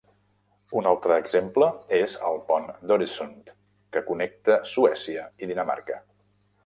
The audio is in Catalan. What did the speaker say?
Un altre exemple és el pont de Øresund, que connecta Suècia i Dinamarca.